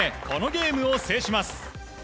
このゲームを制します。